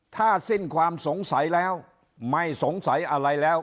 ถ้าสิ้นความสงสัยแล้วไม่สงสัยอะไรแล้ว